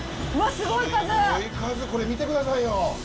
すごい数これ見てくださいよ。